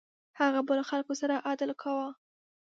هغه به له خلکو سره عدل کاوه.